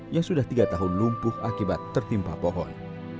yang sudah tiga tahun lumpuh akibat tertimpa pohon